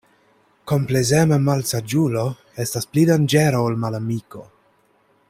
Komplezema malsaĝulo estas pli danĝera ol malamiko.